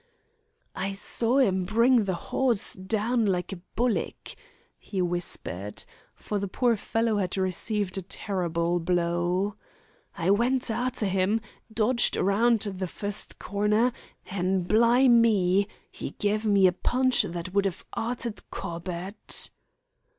"I sawr 'im bring the hoss dahn like a bullick," he whispered, for the poor fellow had received a terrible blow. "I went arter 'im, dodged rahnd the fust corner, an', bli me, 'e gev me a punch that would 'ave 'arted Corbett."